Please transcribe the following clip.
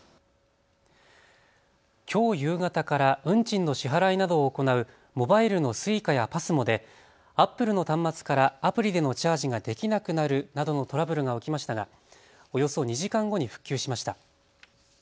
きょう夕方から運賃の支払いなどを行うモバイルのＳｕｉｃａやＰＡＳＭＯでアップルの端末からアプリでのチャージができなくなるなどのトラブルが起きましたがおよそ２時間後に復旧しました。